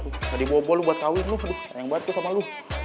tadi bobol lu buat kawin lu aduh sayang banget tuh sama lu